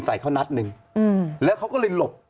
ใส่เขานัดหนึ่งแล้วเขาก็เลยหลบ